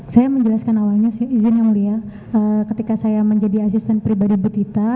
saya menjelaskan awalnya sih izin yang mulia ketika saya menjadi asisten pribadi bu tita